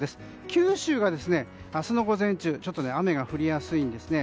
九州は、明日の午前中雨が降りやすいんですね。